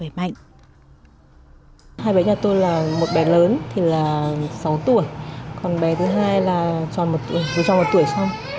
để hai bé phát triển khỏe mạnh